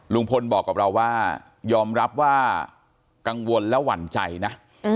ลุงพลบอกกับเราว่ายอมรับว่ากังวลและหวั่นใจนะ